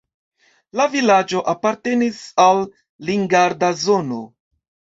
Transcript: La vilaĝo apartenis al Limgarda zono.